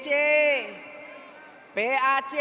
jalur pembangsa indonesia